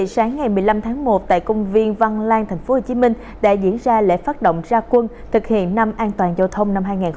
sáng ngày một mươi năm tháng một tại công viên văn lang tp hcm đã diễn ra lễ phát động ra quân thực hiện năm an toàn giao thông năm hai nghìn hai mươi